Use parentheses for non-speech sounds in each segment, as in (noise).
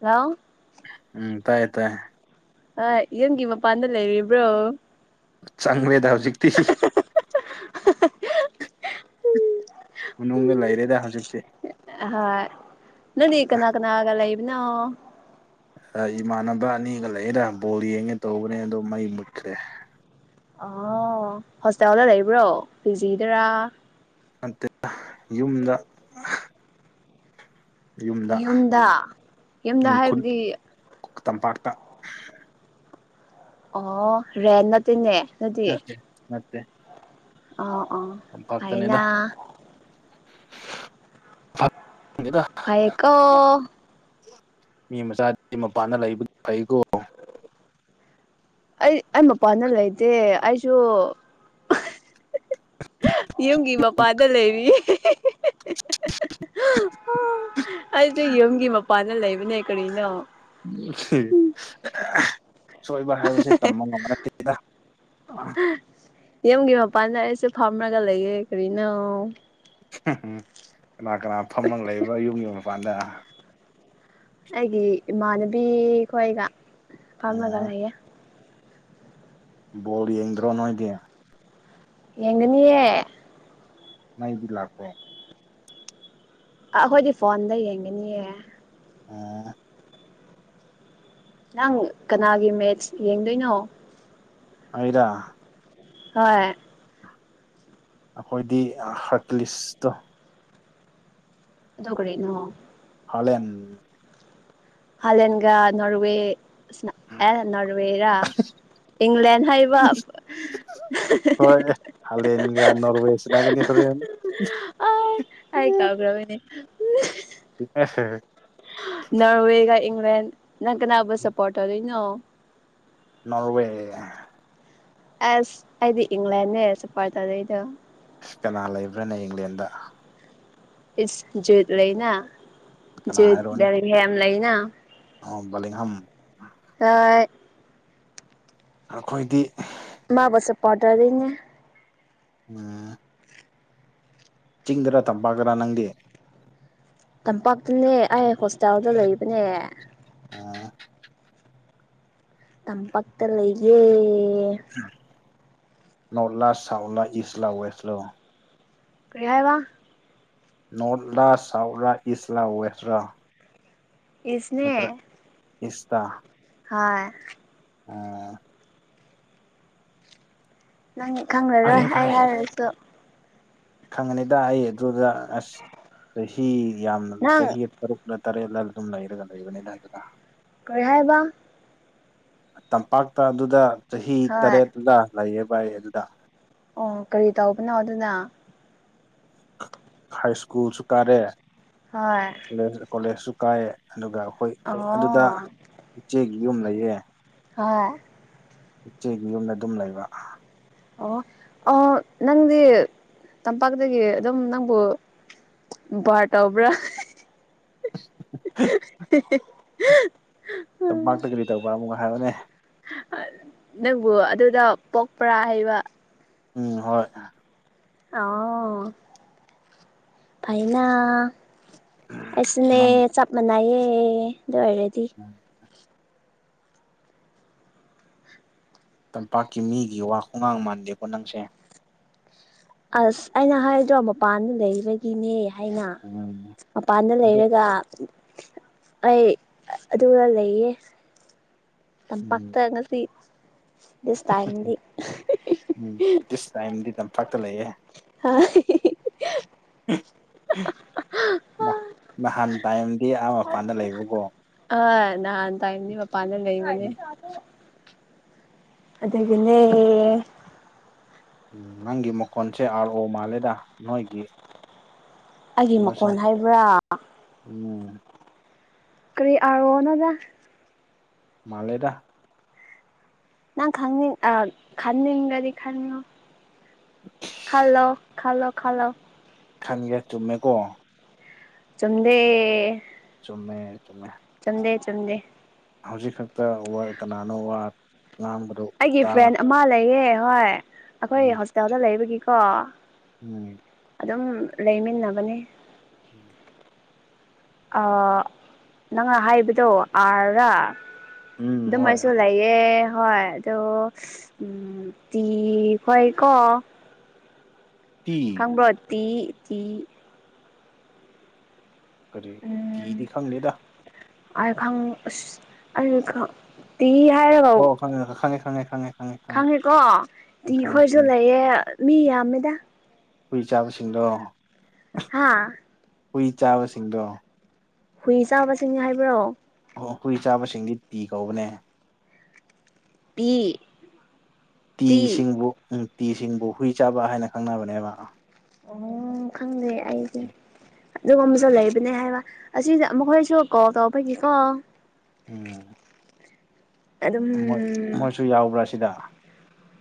Hello ꯎꯝ ꯇꯥꯏ ꯇꯥꯏ ꯑ ꯌꯦꯡꯒꯤ ꯃ ꯄꯥꯟꯗ ꯂꯩꯔꯤꯕ꯭ꯔꯣ ꯆꯪꯉꯦꯗ ꯍꯧꯖꯤꯛꯇꯤ ꯃꯅꯨꯡꯗ ꯂꯩꯔꯦꯗ ꯍꯧꯖꯤꯛꯇꯤ ꯍꯣꯏ ꯅꯪꯗꯤ ꯀꯅꯥ ꯀꯅꯥꯒ ꯂꯩꯕꯅꯣ ꯏꯃꯥꯟꯅꯕ ꯑꯅꯤꯒ ꯂꯩꯔ ꯕꯣꯜ ꯌꯦꯡꯒꯦ ꯇꯧꯕꯅꯦ ꯑꯗꯣ ꯃꯩ ꯃꯨꯠꯈ꯭ꯔꯦ ꯑꯣ ꯍꯣꯁꯇꯦꯜꯗ ꯂꯩꯕ꯭ꯔꯣ ꯄꯤꯖꯤꯗꯔꯥ ꯅꯠꯇꯦꯗ ꯌꯨꯝꯗ ꯌꯨꯝꯗ ꯌꯨꯝꯗ ꯎꯝ ꯈꯨꯟ ꯍꯥꯏꯕꯗꯤ ꯇꯝꯄꯥꯛꯇ ꯑꯣ ꯔꯦꯟ ꯅꯠꯇꯦꯅꯦ ꯅꯦ ꯅꯠꯇꯦ ꯑ ꯑ ꯂꯝꯝꯄꯥꯛꯥꯛꯇꯅꯦꯗꯗ ꯄꯥꯏꯀꯣ ꯃꯤ ꯃꯆꯥꯗꯤ ꯃꯄꯥꯟꯗ ꯂꯩꯕ ꯐꯩꯀꯣ ꯑꯩ ꯑꯩ ꯃꯄꯥꯟꯅ ꯂꯩꯇꯦ ꯑꯩꯁꯨ ꯌꯨꯝꯒꯤ ꯃꯄꯥꯗ ꯂꯩꯔꯤ ꯑꯩꯁ ꯌꯨꯝꯒꯤ ꯃꯄꯥꯟꯗ ꯂꯩꯕꯅꯦ ꯀꯔꯤꯅꯣ ꯁꯣꯏꯕ ꯍꯥꯏꯕꯁꯦ ꯇꯝꯕ ꯉꯝ ꯅꯠꯇꯦ ꯌꯨꯝꯒꯤ ꯃꯄꯥꯟꯗ ꯑꯩꯁꯨ ꯐꯥꯝꯔꯒ ꯂꯩꯌꯦ ꯀꯔꯤꯅꯣ ꯎꯝ ꯀꯅꯥ ꯀꯅꯥ ꯐꯝꯃ ꯂꯩꯕ ꯌꯨꯝꯒꯤ ꯃꯄꯥꯟꯗ ꯑꯩꯒꯤ ꯏꯃꯥꯟꯅꯕꯤ ꯈꯣꯏꯒ ꯐꯥꯝꯂꯒ ꯂꯩꯌꯦ ꯕꯣꯜ ꯌꯦꯡꯗ꯭ꯔꯣ ꯅꯣꯏꯗꯤ ꯌꯦꯡꯒꯅꯤꯌꯦ ꯃꯩꯗꯤ ꯂꯥꯛꯄꯔꯣ ꯑꯥ ꯑꯩꯈꯣꯏꯗꯤ ꯐꯣꯟꯗ ꯌꯦꯡꯒꯅꯤꯌꯦ ꯑꯣ ꯅꯪ ꯀꯅꯥꯒꯤ ꯃꯦꯠꯁ ꯌꯦꯡꯗꯣꯏꯅꯣ ꯑꯩꯔꯥ ꯍꯣꯏ ꯑꯩꯈꯣꯏꯗꯤ ꯍꯥꯠꯇꯤꯂꯤꯁꯇꯣ ꯑꯗꯨ ꯀꯔꯤꯅꯣ ꯍꯥꯂꯟ ꯍꯥꯂꯟꯒ ꯅꯣꯔꯋꯦ ꯑꯦ ꯅꯣꯔꯋꯦꯔꯥ ꯏꯪꯂꯦꯟ ꯍꯥꯏꯕ ꯍꯣꯏ ꯍꯥꯂꯦꯟꯒꯥ ꯅꯣꯔꯋꯦ ꯁꯥꯅꯒꯅꯤ ꯍꯣꯔꯦꯟ ꯑꯩ ꯀꯥꯎꯒ꯭ꯔꯕꯩꯅꯦ (unintelligible) ꯅꯣꯔꯋꯦꯒ ꯏꯪꯂꯦꯟ ꯅꯪ ꯀꯅꯥꯕ ꯁꯄꯣꯔꯠ ꯇꯧꯗꯣꯏꯅꯣ ꯅꯣꯔꯋꯦ ꯑꯁ ꯑꯩꯗꯤ ꯏꯪꯂꯦꯟꯅꯦ ꯁꯄꯣꯔꯠ ꯇꯧꯗꯣꯏꯗꯣ ꯑꯁ ꯀꯅꯥ ꯂꯩꯕ꯭ꯔꯥꯅꯦ ꯏꯪꯂꯦꯟꯗ ꯨꯏꯁ ꯖꯦꯠ ꯂꯩꯅ ꯀꯅꯥ ꯖꯦꯠ (unintelligible) ꯌꯥꯝ ꯂꯩꯅ ꯑꯣ ꯕꯣꯔꯦꯍꯝ ꯑꯥ ꯑꯩꯈꯣꯏꯗꯤ ꯃꯥꯕꯨ ꯁꯄꯣꯔꯠ ꯇꯧꯗꯣꯏꯅꯦ ꯎꯝ ꯆꯤꯡꯗꯔꯥ ꯇꯝꯄꯛꯇꯔꯥ ꯅꯪꯗꯤ ꯇꯝꯄꯥꯛꯇꯅꯦ ꯑꯩ ꯍꯣꯁꯇꯥꯦꯜꯗ ꯂꯩꯕꯅꯦ ꯑꯥ ꯇꯝ ꯄꯛꯇ ꯂꯩꯌꯦ ꯅꯣꯔꯠ ꯂꯥ ꯁꯥꯎꯠ ꯂꯥ ꯏꯁ ꯂꯥ ꯋꯦꯁ ꯂꯣ ꯀ꯭ꯔꯤ ꯍꯥꯏꯕ ꯅꯣꯔꯠꯂꯥ ꯁꯥꯎꯠꯂꯥ ꯏꯁꯂꯥ ꯋꯦꯁꯔꯥ ꯏꯁꯁꯤꯅꯦ ꯏꯁꯇꯥ ꯍꯣꯏ ꯎꯝ ꯅꯪ ꯈꯪꯂꯔꯣꯏ ꯐꯔꯦ ꯑꯩ ꯐꯔꯦ ꯍꯥꯏꯔꯁꯨ ꯈꯪꯉꯅꯤꯗ ꯑꯩ ꯑꯗꯨꯗ ꯑꯁ ꯆꯍꯤ ꯌꯥꯝꯅ ꯅꯪ ꯆꯍꯤ ꯇꯔꯨꯛ ꯇꯔꯦꯠꯂ ꯑꯗꯨꯝ ꯂꯩꯔꯒ ꯂꯩꯕꯅꯤꯅ ꯑꯗꯨꯗ ꯀꯔꯤꯍꯥꯏꯕ ꯇꯝꯄꯥꯛꯇ ꯑꯗꯨꯗ ꯆꯍꯤ ꯍꯣꯏ ꯇꯔꯦꯠꯂ ꯂꯩꯌꯦꯕ ꯑꯩ ꯑꯗꯨꯗ ꯑꯣ ꯀꯔꯤ ꯇꯧꯕꯅꯣ ꯑꯗꯨꯅ ꯍꯥꯏ ꯁ꯭ꯀꯨꯜꯁꯨ ꯀꯥꯔꯦ ꯍꯣꯏ ꯀꯣꯂꯦꯖꯁꯨ ꯀꯥꯏꯌꯦ ꯑꯗꯨꯒ ꯑꯩꯈꯣꯏ ꯑꯣ ꯑꯗꯨꯗ ꯏꯆꯦꯒꯤ ꯌꯨꯝ ꯂꯩꯌꯦ ꯍꯣꯏ ꯏꯆꯦꯒꯤ ꯌꯨꯝꯗ ꯑꯗꯨꯝ ꯂꯩꯕ ꯑꯣ ꯑꯣ ꯅꯪꯗꯤ ꯇꯝꯄꯥꯛꯇꯒꯤ ꯑꯗꯨꯝ ꯅꯪꯕꯨ ꯚꯔ ꯇꯧꯕ꯭ꯔꯥ ꯇꯝꯄꯥꯛꯇ ꯀꯔꯤ ꯇꯧꯕ ꯑꯃꯨꯛ ꯍꯥꯏꯔꯣꯅꯦ ꯅꯪꯕꯨ ꯑꯗꯨꯗ ꯄꯣꯛꯄꯔꯥ ꯍꯩꯕ ꯎꯝ ꯍꯣꯏ ꯑꯣ ꯐꯩꯅ ꯑꯩꯁꯨꯅꯦ ꯅꯪ ꯆꯞ ꯃꯥꯟꯅꯩꯌꯦ ꯑꯗꯨ ꯑꯣꯏꯔꯗꯤ ꯎꯝ ꯇꯝꯄꯥꯛꯀꯤ ꯃꯤꯒꯤ ꯋꯥ ꯈꯨꯡꯉꯥꯡ ꯃꯥꯟꯗꯦꯀꯣ ꯅꯪꯁꯦ ꯑꯁ ꯑꯩꯅ ꯍꯥꯏꯗ꯭ꯔꯣ ꯃꯄꯥꯟꯗ ꯂꯩꯕꯒꯤꯅꯦ ꯍꯥꯏꯅ ꯎꯝ ꯃꯄꯥꯟꯗ ꯑꯗꯣ ꯂꯩꯔꯒ ꯑꯩ ꯑꯗꯨꯒ ꯂꯩꯌꯦ ꯎꯝ ꯇꯝꯄꯛꯇ ꯉꯁꯤ ꯗꯤꯁ ꯇꯥꯝꯒꯤ ꯎꯝ ꯗꯤꯁ ꯇꯥꯏꯝꯗꯤ ꯇꯝꯄꯥꯛꯇ ꯂꯩꯌꯦ (inaudible) ꯅꯍꯥꯟ ꯇꯥꯏꯝꯗꯤ ꯑꯥ ꯃꯄꯥꯟꯗ ꯂꯩꯕꯀꯣ ꯑ ꯅꯍꯥꯟ ꯇꯥꯏꯝꯅꯤ ꯃꯄꯥꯟꯗ ꯂꯩꯕꯅꯦ ꯑꯗꯨꯒꯤꯅꯦ ꯎꯝ ꯅꯪꯒꯤ ꯃꯈꯣꯟꯁꯦ ꯑꯥꯔ ꯑꯣ ꯃꯥꯜꯂꯦꯗ ꯅꯣꯏꯒꯤ ꯑꯩꯒꯤ ꯀꯩꯅꯣꯁꯦ ꯃꯈꯣꯟ ꯍꯥꯏꯕ꯭ꯔꯥ ꯎꯝ ꯀꯔꯤ ꯑꯥꯔ ꯑꯣꯅꯣꯗ ꯃꯥꯂꯦꯗꯥ ꯅꯪ ꯈꯪꯅꯤꯡ ꯑ ꯈꯟꯅꯤꯡꯔꯥꯗꯤ ꯈꯟꯂꯣ ꯈꯟꯂꯣ ꯈꯟꯂꯣ ꯈꯟꯂꯣ ꯈꯪꯉꯦ ꯆꯨꯝꯃꯦꯀꯣ ꯆꯨꯝꯗꯦ ꯆꯨꯝꯃꯦ ꯆꯨꯝꯃꯦ ꯆꯨꯝꯗꯦ ꯆꯨꯝꯗꯦ ꯍꯧꯖꯤꯛ ꯈꯛꯇ ꯋꯥꯔ ꯀꯅꯥꯅꯣ ꯋꯥ ꯉꯥꯡꯕꯗꯣ ꯑꯩꯒꯤ ꯇꯥ ꯐ꯭ꯔꯦꯟ ꯑꯃ ꯂꯩꯌꯦ ꯍꯣꯏ ꯑꯩꯈꯣꯏ ꯎꯝ ꯍꯣꯁꯇꯦꯜꯗ ꯂꯩꯕꯒꯤꯀꯣ ꯎꯝ ꯑꯗꯨꯝ ꯂꯩꯃꯤꯟꯅꯕꯅꯦ ꯎꯝ ꯑꯥ ꯅꯪꯅ ꯍꯥꯏꯕꯗꯣ ꯑꯥꯔꯔꯥ ꯎꯝ ꯑꯗꯨꯝ ꯍꯣꯏ ꯑꯩꯁꯨ ꯂꯩ ꯑꯦ ꯍꯣꯏ ꯑꯗꯣ ꯎꯝ ꯇꯤ ꯍꯣꯏ ꯀꯣ ꯇꯤ (unintelligible) ꯇꯤ ꯇꯤ ꯀꯔꯤ ꯎꯝ ꯇꯤꯗꯤ ꯈꯪꯗꯦꯗ (unintelligible) ꯇꯤ ꯍꯥꯏꯔ ꯑꯣ ꯈꯪꯉꯦ ꯈꯪꯉꯦ ꯈꯪꯉꯦ ꯈꯪꯉꯦ ꯈꯪꯉꯦ ꯈꯪꯉꯦ ꯈꯪꯉꯦꯀꯣ ꯗꯤ ꯈꯪꯉꯦ ꯈꯣꯏꯁꯨ ꯎꯝ ꯂꯩꯌꯦ ꯃꯤ ꯌꯥꯝꯃꯦꯗ ꯍꯨꯏ ꯆꯥꯕꯁꯤꯡꯗꯣ ꯍꯥꯥ ꯍꯨꯏ ꯆꯥꯕꯁꯤꯡꯗꯣ ꯍꯨꯏ ꯆꯥꯕꯁꯤꯡꯅꯤ ꯍꯥꯏꯕ꯭ꯔꯣ ꯑꯣ ꯍꯨꯏ ꯆꯥꯕꯁꯤꯡꯗꯤ ꯄꯤ ꯀꯧꯕꯅꯦ ꯄꯤ ꯇꯤ ꯇꯤꯁꯤꯡꯕꯨ ꯎꯝ ꯇꯤꯁꯤꯡꯕꯨ ꯍꯨꯏ ꯆꯥꯕ ꯍꯥꯏꯅ ꯈꯪꯅꯕꯅꯦꯕ ꯑꯣ ꯈꯪꯗꯦ ꯑꯩꯗꯤ‌꯫ ꯑꯗꯨꯒꯨꯝꯕꯁꯨ ꯂꯩꯕꯅꯦ ꯍꯥꯏꯕ ꯑꯁꯤꯗ ꯃꯈꯣꯏꯁꯨ ꯀꯣꯜ ꯇꯧꯕꯒꯤꯀꯣ ꯎꯝ ꯑꯗꯨꯝ ꯃꯣꯏ ꯃꯣꯏꯁꯨ ꯌꯥꯎꯕ꯭ꯔꯥ ꯁꯤꯗ?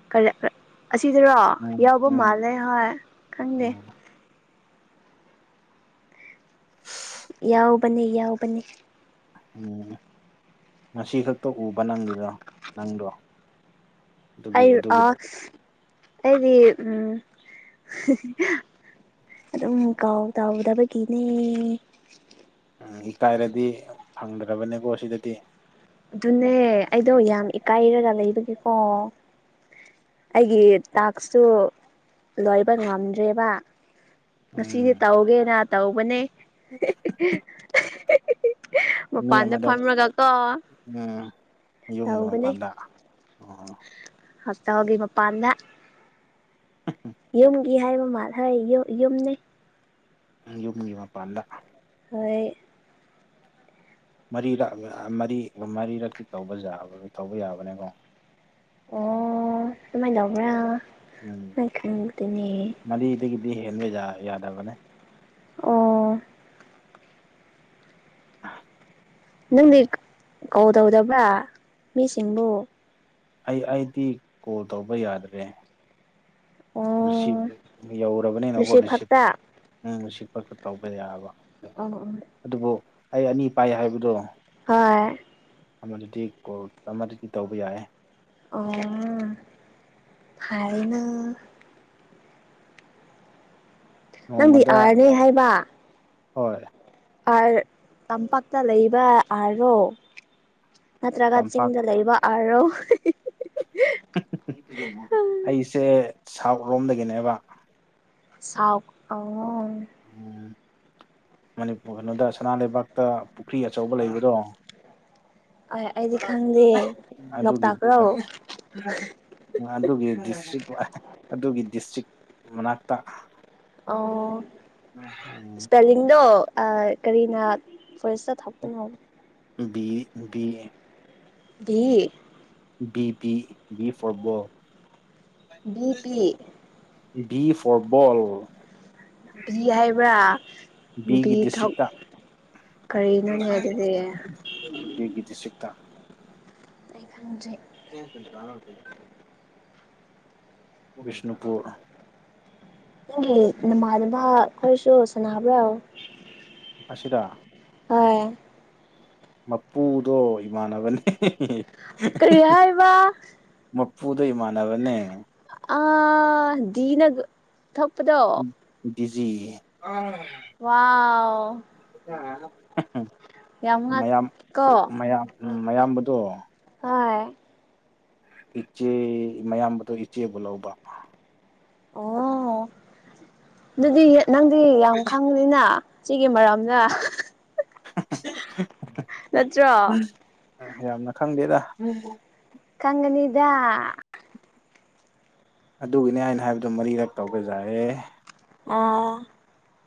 (unintelligible) ꯑꯁꯤꯗꯔꯣ ꯎꯝ ꯌꯥꯎꯕ ꯎꯝ ꯃꯥꯜꯂꯦ ꯍꯣꯏ ꯈꯪꯗꯦ꯫ ꯎꯝ ꯌꯥꯎꯕꯅꯤ- ꯌꯥꯎꯕꯅꯤ ꯎꯝ ꯉꯁꯤ ꯈꯛꯇ ꯎꯕ ꯅꯪꯒꯤꯗꯣ ꯅꯪꯗꯣ꯫ ꯑꯗꯨꯒꯤ ꯑꯩ ꯑ ꯑꯗꯨꯒꯤꯅꯤ ꯑꯩꯗꯤ ꯎꯝ ꯑꯗꯨꯝ ꯀꯥꯜ ꯇꯧꯗꯕꯒꯤꯅꯦ꯫ ꯎꯝ ꯏꯀꯥꯏꯔꯗꯤ ꯐꯪꯗ꯭ꯔꯕꯅꯦꯀꯣ ꯁꯤꯗꯗꯤ꯫ ꯑꯗꯨꯅꯦ ꯑꯩꯗꯣ ꯌꯥꯝ ꯏꯀꯥꯏꯔꯒ ꯂꯩꯕꯒꯤꯀꯣ ꯑꯩꯒꯤ ꯇꯥꯛꯁꯇꯨ ꯂꯣꯏꯕ ꯉꯝꯗ꯭ꯔꯦꯕ꯫ ꯎꯝ ꯉꯁꯤꯗꯤ ꯇꯧꯒꯦꯅ ꯇꯧꯕꯅꯦ (unintelligible) ꯃꯤ ꯃꯥꯄꯥꯟꯗ ꯑꯃꯗ ꯐꯝꯔꯒ ꯀꯣ ꯎꯝ ꯌꯨꯝꯒꯤ ꯇꯧꯕꯅꯦ ꯃꯄꯥꯟꯗ ꯑꯣ ꯍꯣꯁꯇꯦꯜꯒꯤ ꯃꯄꯥꯟꯗ (unintelligible) ꯌꯨꯝꯒꯤ ꯍꯥꯏꯕ ꯃꯥꯜ ꯍ ꯌꯨꯝ ꯌꯨꯝꯅꯦ ꯌꯨꯝꯒꯤ ꯃꯄꯥꯟꯗ ꯍꯣꯏ ꯃꯔꯤꯔꯛ ꯃꯔꯤ ꯃꯔꯤꯔꯛꯇ ꯇꯧꯕ ꯌꯥꯕ ꯇꯧꯕꯥ ꯌꯥꯕꯅꯦꯀꯣ꯫ ꯑꯣ ꯀꯃꯥꯏꯅ ꯇꯧꯕ꯭ꯔꯥ ꯎꯝ ꯑꯩ ꯈꯪꯗꯦꯅꯦ! ꯃꯔꯤꯗꯒꯤꯗꯤ ꯍꯦꯟꯕ ꯌꯥ ꯌꯥꯗꯕꯅꯦ꯫ ꯑꯣ (unintelligible) ꯅꯪꯗꯤ ꯀꯣꯜ ꯇꯧꯗꯕ꯭ꯔꯥ ꯃꯤꯁꯤꯡꯕꯨ? ꯑꯩ ꯑꯩꯗꯤ ꯀꯣꯜ ꯇꯧꯕ ꯌꯥꯗ꯭ꯔꯦ꯫ ꯔꯤꯁꯤꯞ ꯑꯣ ꯌꯧꯔꯕꯅꯤꯅꯀꯣ ꯔꯤꯁꯤꯞ ꯔꯤꯁꯤꯞꯇ ꯈꯛꯇ ꯎꯝ ꯔꯤꯁꯤꯕ ꯈꯛꯇ ꯇꯧꯕ ꯌꯥꯕ ꯑ ꯑ ꯑꯗꯨꯕꯨ ꯑꯩ ꯑꯅꯤ ꯄꯥꯏ ꯍꯥꯏꯕꯗꯣ ꯍꯣꯏ ꯑꯃꯗꯨꯗꯤ ꯀꯣꯜ ꯑꯃꯗꯨꯗꯤ ꯇꯧꯕ ꯌꯥꯏꯌꯦ꯫ ꯑꯣ ꯐꯔꯦꯅꯦ ꯅꯪꯗꯤ ꯅꯣꯡꯃꯗ ꯑꯥꯔꯅꯦ ꯍꯥꯏꯕ ꯍꯣꯏ ꯑꯥꯔ ꯇꯝꯄꯥꯛꯇ ꯂꯩꯕ ꯑꯥꯔ ꯗꯣ ꯅꯠꯇ꯭ꯔꯒ ꯇꯝꯄꯥꯛ ꯆꯤꯡꯗ ꯂꯩꯕ ꯑꯥꯔ ꯔꯣ ꯑꯩꯁꯦ ꯁꯥꯎꯠ ꯔꯣꯝꯗꯒꯤꯅꯦꯕ ꯁꯥꯎꯠ ꯑꯣ ꯎꯝ ꯃꯅꯤꯄꯨꯔ ꯀꯩꯅꯣꯗ ꯁꯅꯥ ꯂꯩꯕꯥꯛꯇ ꯄꯨꯈ꯭ꯔꯤ ꯑꯆꯧꯕ ꯂꯩꯕꯗꯣ ꯑꯩ ꯑꯩꯗꯤ (unintelligible) ꯈꯪꯗꯦ ꯑꯗꯨꯒꯤ ꯂꯣꯛꯇꯥꯛꯔꯣ ꯑꯗꯨꯒꯤ ꯗꯤꯁꯇ꯭ꯔꯤꯛ ꯑꯗꯨꯒꯤ ꯗꯤꯁꯇ꯭ꯔꯤꯛ ꯃꯅꯥꯛꯇ ꯑ ꯎꯝ ꯑꯗꯣ ꯑꯃꯥ ꯀꯔꯤꯅ first (unintelligible) B B A B B B before ball B P B four ball B ꯍꯥꯏꯕ꯭ꯔꯥ ꯕꯤ ꯕꯤꯒꯤ ꯊꯣꯛ ꯗꯤꯁꯇ꯭ꯔꯤꯛꯇ ꯀꯔꯤꯅꯣꯅꯦ ꯑꯗꯨꯗꯤ ꯀꯦꯒꯤ ꯗꯤꯁꯇ꯭ꯔꯤꯛꯇ ꯑꯩ ꯈꯪꯗꯔꯦ (unintelligible) ꯕꯤꯁꯅꯨꯄꯨꯔ ꯅꯪꯒꯤ ꯅꯃꯥꯟꯅꯕ ꯈꯣꯏꯁꯨ ꯁꯥꯟꯅꯕ꯭ꯔꯥ ꯑꯁꯤꯗ ꯍꯣꯏ ꯃꯄꯨꯗꯣ ꯏꯃꯥꯟꯅꯕꯅꯦ ꯀꯔꯤ ꯍꯥꯏꯕ ꯃꯄꯨꯗꯨ ꯏꯃꯥꯟꯅꯕꯅꯦ ꯑ ꯗꯤꯅ ꯊꯣꯛꯄꯗꯣ ꯗꯤꯖꯤꯖꯤ ꯋꯥꯎ ꯑꯍꯝ ꯌꯥꯝ ꯃꯌꯥꯝ ꯉꯛꯀꯣ ꯃꯌꯥꯝ ꯃꯌꯥꯝꯕꯗꯣ ꯍꯣꯏ ꯏꯆꯦ ꯃꯌꯥꯝꯕꯗ ꯏꯆꯦꯕꯨ ꯂꯧꯕ ꯑꯣ ꯑꯗꯨꯗꯤ ꯅꯪꯗꯤ ꯌꯥꯝ ꯈꯪ ꯅꯤꯅ ꯁꯤꯒꯤ ꯃꯔꯝꯅ ꯅꯠꯇ꯭ꯔꯣ ꯌꯥꯝꯅ ꯈꯪꯗꯦꯗ ꯀꯪꯒꯅꯤꯗ ꯑꯗꯨꯒꯤꯅꯦ ꯍꯥꯏꯅ ꯍꯥꯏꯕꯗꯣ ꯃꯔꯤꯔꯛ ꯇꯧꯒꯖꯔꯦ ꯑꯥ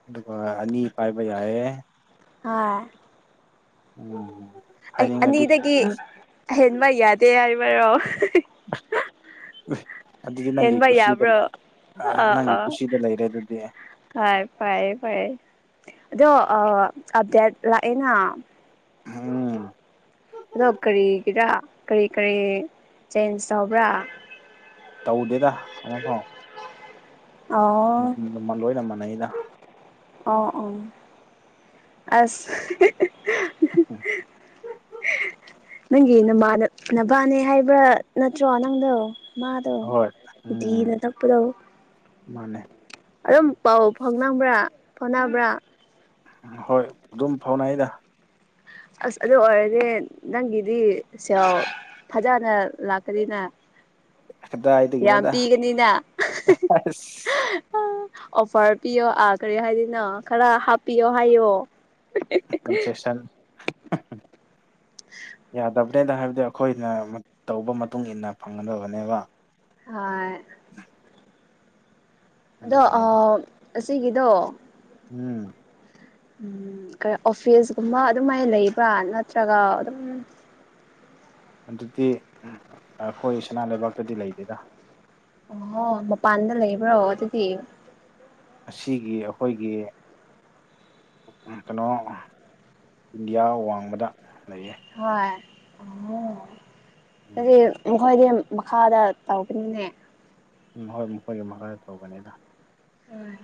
ꯑꯗꯨꯒ ꯑꯅꯤ ꯄꯥꯏꯕ ꯌꯥꯏꯑꯦ ꯍꯥꯏ ꯎꯝ ꯑꯩ ꯍꯥꯏꯅꯤꯡꯉꯗꯤ ꯑꯅꯤꯗꯒꯤ ꯍꯦꯟꯕ ꯌꯥꯗꯦ ꯍꯥꯏꯕꯔꯣ (unintelligible) ꯑꯗꯨꯗꯤ ꯅꯪꯒꯤ ꯍꯦꯟꯕ ꯀꯨꯁꯤꯗ ꯌꯥꯕ꯭ꯔꯣ ꯑ ꯑꯥ ꯅꯪꯒꯤ ꯑꯥ ꯀꯨꯁꯤꯗ ꯂꯩꯔꯦ ꯑꯗꯨꯗꯤ ꯍꯣꯏ ꯐꯔꯦ ꯐꯔꯦ ꯑꯗꯣ ꯑꯞꯗꯦꯠ ꯂꯥꯛꯑꯦꯅ ꯑꯝ ꯑꯗꯣ ꯀꯔꯤꯒꯤꯔ ꯀꯔꯤ ꯀꯔꯤ ꯆꯦꯟꯖ ꯇꯧꯕ꯭ꯔꯥ ꯇꯧꯗꯦꯗ ꯑꯃꯐꯥꯎ ꯑꯣ ꯑꯗꯨꯝ ꯂꯣꯏꯅ ꯃꯥꯟꯅꯩꯩꯅ ꯑꯣ ꯑꯣ ꯑꯁ ꯍꯤ ꯍꯤ ꯎ (inaudible) (inaudible) ꯅꯪꯒꯤ ꯅ ꯅꯕꯥꯅꯦ ꯍꯥꯏꯕ꯭ꯔꯥ ꯅꯠꯇ꯭ꯔꯣ ꯅꯪꯗꯣ ꯃꯥꯗꯣ ꯍꯣꯏ ꯗꯤ ꯎꯝ ꯇꯥꯞꯄꯗꯣ ꯃꯥꯅꯦ ꯑꯗꯨꯝ ꯄꯥꯎ ꯐꯥꯎꯅꯤꯡꯕ꯭ꯔꯥ ꯐꯣꯅꯕ꯭ꯔꯥ ꯍꯣꯏ ꯑꯗꯨꯝ ꯐꯥꯎꯅꯩꯗ ꯑꯁ ꯑꯗꯨ ꯑꯣꯏꯔꯗꯤ ꯅꯪꯒꯤꯗꯤ ꯁꯦꯜ ꯐꯖꯅ ꯂꯥꯛꯀꯅꯤꯅ ꯀꯗꯥꯏ ꯌꯥꯝ ꯄꯤꯒꯅꯤꯗ ꯑꯁ ꯑ ꯑꯣꯐꯔ ꯄꯤꯌꯣ ꯑꯥ ꯀꯔꯤ ꯍꯥꯏꯗꯅꯣ ꯈꯔ ꯍꯥꯞꯄꯤꯌꯣ ꯍꯥꯏꯌꯣ ꯀꯟꯁꯦꯁꯟ ꯍꯝꯍꯝ ꯌꯥꯗꯕ ꯇꯦꯟꯗ ꯍꯥꯏꯕꯗꯤ ꯑꯩꯈꯣꯏꯅ ꯃꯠ ꯇꯧꯕ ꯃꯇꯨꯡ ꯏꯟꯅ ꯐꯪꯒꯗꯕꯅꯦꯕ ꯍꯣꯢ ꯑꯗꯨꯒꯤꯅꯤꯗ ꯑꯗꯣ ꯑꯁꯤꯒꯤꯗꯣ ꯎꯝ ꯎꯝ ꯀ ꯑꯣꯐꯤꯁꯒꯨꯝꯕ ꯑꯗꯨꯃꯥꯏꯅ ꯂꯩꯕ꯭ꯔꯥ ꯅꯠꯇ꯭ꯔꯒ ꯑꯗꯨꯝ ꯑꯗꯨꯗꯤ ꯑꯩꯈꯣꯏ ꯁꯅꯥ ꯂꯩꯕꯥꯛꯇꯗꯤ ꯂꯩꯗꯦꯗ ꯑꯣ ꯃꯄꯥꯟꯗ ꯂꯩꯕ꯭ꯔꯣ ꯑꯗꯨꯗꯤ ꯑꯁꯤꯒꯤ ꯑꯩꯈꯣꯏꯒꯤ ꯀꯩꯅꯣ ꯏꯟꯗꯤꯌꯥ ꯋꯥꯡꯃꯗ ꯂꯩꯌꯦ ꯍꯣꯏ ꯎ ꯀꯔꯤ ꯎꯝ ꯃꯈꯣꯏꯗꯤ ꯃꯈꯥꯗ ꯇꯧꯈꯤꯕꯅꯤꯅꯦ ꯎꯝ ꯍꯣꯏ ꯃꯈꯣꯏꯒꯤ ꯃꯈꯥꯗ ꯇꯧꯕꯅꯤꯗ ꯍꯣꯏ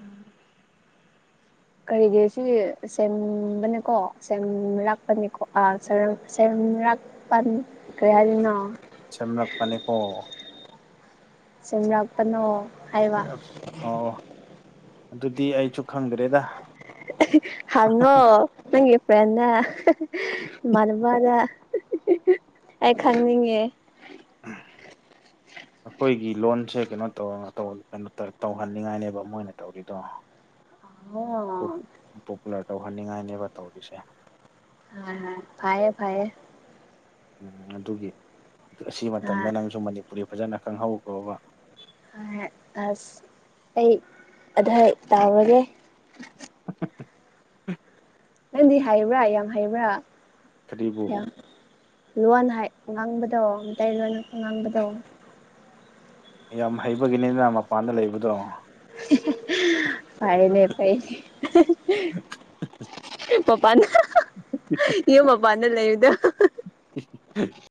ꯀꯔꯤꯒꯤ ꯁꯤ ꯁꯦꯝꯕꯅꯤꯀꯣ ꯁꯦꯝꯔꯥꯛꯄꯅꯤꯀꯣ ꯁꯦꯝꯔꯛ ꯀꯔꯤ ꯍꯥꯏꯗꯨꯢꯅꯣ ꯁꯦꯝꯂꯛꯄꯅꯤꯀꯣ ꯁꯦꯝꯔꯥꯛꯄꯅꯣ ꯑꯣ ꯑꯣ ꯑꯗꯨꯗꯤ ꯑꯩꯁꯨ ꯈꯪꯗ꯭ꯔꯦꯗ ꯍꯪꯉꯣ ꯅꯪꯒꯤ ꯐ꯭ꯔꯦꯟꯗ ꯢꯃꯥꯟꯅꯕꯗ ꯑꯩ ꯈꯪꯅꯤꯡꯉꯦ ꯎꯝ ꯑꯩꯈꯣꯏꯒꯤ ꯂꯣꯟꯁꯦ ꯀꯩꯅꯣ ꯇꯧꯔ ꯇꯧꯍꯟꯅꯤꯡꯉꯥꯏꯅꯦꯕ ꯃꯣꯏꯅ ꯇꯧꯔꯤꯗꯣ (unintelligible) ꯍꯣꯏ ꯄꯣꯄꯨꯂꯔ ꯇꯧꯍꯟꯅꯤꯡꯉꯥꯏꯅꯦꯕ ꯇꯧꯔꯤꯁꯦ ꯍꯣꯢ ꯍꯣꯢ ꯐꯩꯌꯦ ꯐꯩꯌꯦ ꯑꯗꯨꯒꯤ ꯑꯁꯤ ꯑ ꯃꯇꯝꯗ ꯅꯪꯁꯨ ꯃꯅꯤꯄꯨꯔꯤ ꯐꯖꯅ ꯈꯪꯍꯧꯈ꯭ꯔꯣꯕ ꯑꯁ ꯑꯩ ꯑꯇꯩ ꯇꯥꯎꯔꯒꯦ (unintelligible) ꯅꯪꯗꯤ ꯍꯩꯕ꯭ꯔꯥ ꯌꯥꯝ ꯍꯩꯕ꯭ꯔꯥ ꯀꯔꯤꯕꯨ ꯂꯣꯟꯅ ꯉꯥꯡꯕꯗꯣ ꯃꯩꯇꯩ ꯂꯣꯟꯗ ꯉꯥꯡꯕꯗꯣ ꯌꯥꯝ ꯍꯩꯕꯒꯤꯅꯤꯅꯦ ꯃꯄꯥꯟꯗ ꯂꯩꯕꯗꯣ ꯐꯩꯅꯦ ꯐꯩꯅꯦ ꯃꯄꯥꯟꯗ ꯌꯨꯝ ꯃꯄꯥꯟꯗ ꯂꯩꯕꯗꯣ (unintelligible)